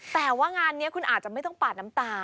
แต่ว่างานนี้คุณอาจจะไม่ต้องปาดน้ำตา